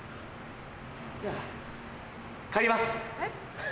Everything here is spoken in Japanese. じゃあ帰ります！